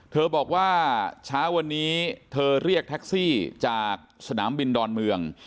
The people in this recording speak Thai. เธอบอกว่าเช้าวันนี้เธอเรียกแท็กซี่จากสนามบินดอนเมือง